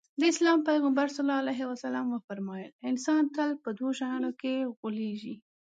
د اسلام پيغمبر ص وفرمايل انسان تل په دوو شيانو کې غولېږي.